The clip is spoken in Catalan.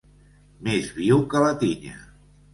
Més viu que la tinya.